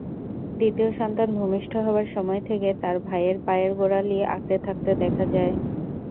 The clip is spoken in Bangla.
দ্বিতীয় সন্তান ভূমিষ্ঠ হবার সময় থেকে তার ভাইয়ের পায়ের গোড়ালি আঁকড়ে থাকতে দেখা যায়।